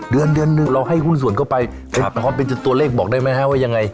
เดือนเดือนหนึ่งเราให้หุ้นส่วนเข้าไปถามว่าเป็นตัวเลขบอกได้ไหมฮะว่ายังไง